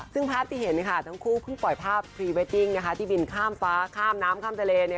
ซึ่งภาพที่เห็นค่ะทั้งคู่เพิ่งปล่อยภาพพรีเวดดิ้งที่บินข้ามฟ้าข้ามน้ำข้ามทะเล